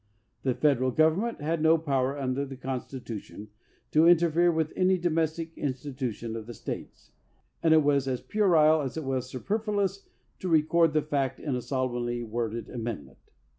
The Federal Government had no power under the Constitution to interfere with any domestic institution of the States, and it was as puerile as it was superfluous to record the fact in a solemnly worded amendment.